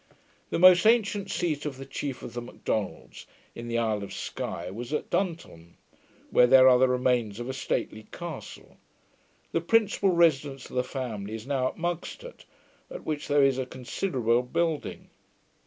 The most ancient seat of the chief of the Macdonalds in the Isle of Sky was at Duntulm, where there are the remains of a stately castle. The principal residence of the family is now at Mugstot, at which there is a considerable building.